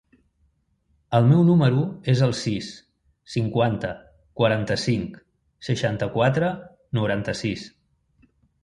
El meu número es el sis, cinquanta, quaranta-cinc, seixanta-quatre, noranta-sis.